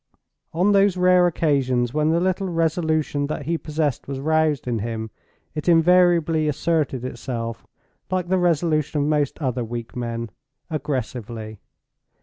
On those rare occasions when the little resolution that he possessed was roused in him, it invariably asserted itself—like the resolution of most other weak men—aggressively.